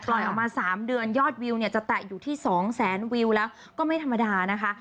ออกมา๓เดือนยอดวิวเนี่ยจะแตะอยู่ที่๒แสนวิวแล้วก็ไม่ธรรมดานะคะ